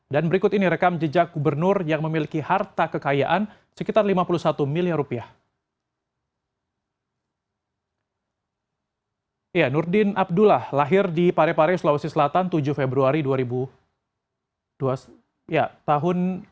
dan berikut ini rekam jejak gubernur yang memiliki harta kekayaan sekitar lima puluh satu miliar rupiah